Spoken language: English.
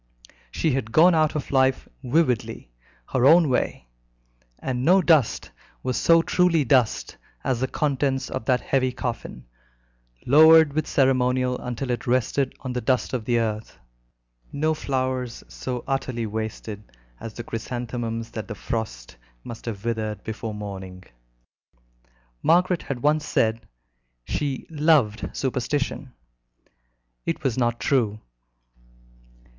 She had gone out of life vividly, her own way, and no dust was so truly dust as the contents of that heavy coffin, lowered with ceremonial until it rested on the dust of the earth, no flowers so utterly wasted as the chrysanthemums that the frost must have withered before morning. Margaret had once said she "loved superstition." It was not true.